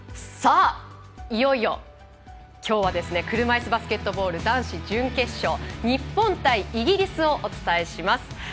いよいよ、きょうは車いすバスケットボール男子準決勝、日本対イギリスをお伝えします。